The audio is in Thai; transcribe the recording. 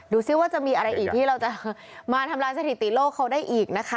ซิว่าจะมีอะไรอีกที่เราจะมาทำลายสถิติโลกเขาได้อีกนะคะ